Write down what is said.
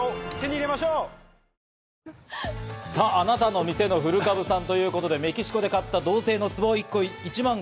あなたの店の古株さんということで、メキシコで買った銅製のツボ、１個１万５０００円。